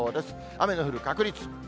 雨の降る確率。